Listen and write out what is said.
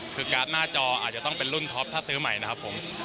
คือการ์ดหน้าจออาจจะต้องเป็นรุ่นท็อปถ้าซื้อใหม่นะครับผม